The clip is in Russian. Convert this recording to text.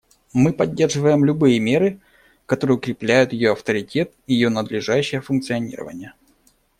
Мы поддерживаем любые меры, которые укрепляют ее авторитет и ее надлежащее функционирование.